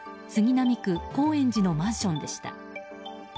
杉並区高円寺のマンションでした。